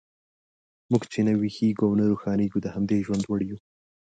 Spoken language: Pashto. موږ چې نه ویښیږو او نه روښانیږو، د همدې ژوند وړ یو.